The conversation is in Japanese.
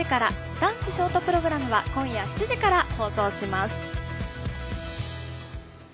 男子ショートプログラムは今夜７時から放送します。